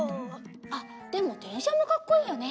あっでもでんしゃもかっこいいよね。